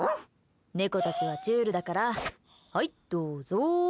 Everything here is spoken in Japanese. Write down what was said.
猫たちはちゅるだからはい、どうぞ。